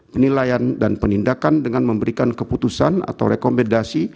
penilaian dan penindakan dengan memberikan keputusan atau rekomendasi